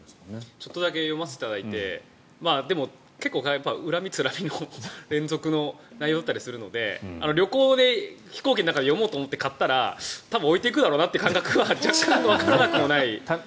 ちょっとだけ読んででも恨みつらみの連続の内容だったりするので旅行で飛行機の中で読んだら多分置いていくだろうなという感覚は若干わからなくもない。